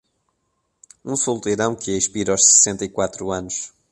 Um solteirão que expira aos sessenta e quatro anos